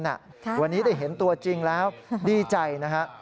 วันนี้ได้เห็นตัวจริงแล้วดีใจนะฮะ